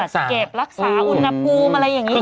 เก็บรักษาอุณหภูมิอะไรอย่างนี้